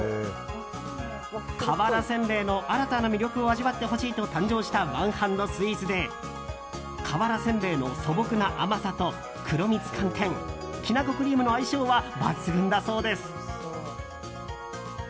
瓦せんべいの新たな魅力を味わってほしいと誕生したワンハンドスイーツで瓦せんべいの素朴な甘さと黒蜜寒天きなこクリームの相性は抜群だそうです。